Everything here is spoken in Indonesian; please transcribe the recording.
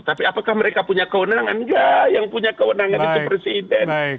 tapi apakah mereka punya kewenangan enggak yang punya kewenangan itu presiden